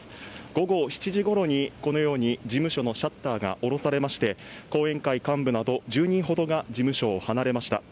午後７時ごろに、このように事務所のシャッターが下ろされて後援会幹部など１０人ほどが事務所を離れました。